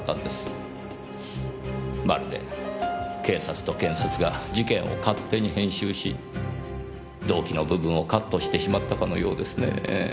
まるで警察と検察が事件を勝手に編集し動機の部分をカットしてしまったかのようですねぇ。